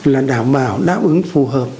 là đảm bảo đáp ứng phù hợp